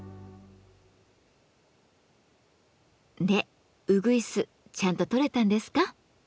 でうぐいすちゃんと撮れたんですか？